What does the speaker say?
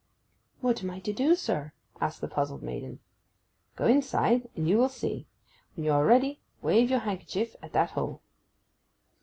'What am I to do, sir?' asked the puzzled maiden. 'Go inside, and you will see. When you are ready wave your handkerchief at that hole.